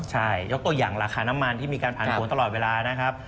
ใช่ยกตัวอย่างราคาน้ำมันที่มีการผันผวนตลอดเวลานะครับ